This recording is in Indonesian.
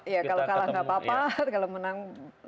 ya jadi kalau kalah gak apa apa kalau menang luar biasa gitu